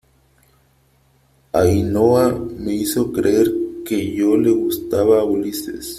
Ainhoa , me hizo creer que yo le gustaba a Ulises .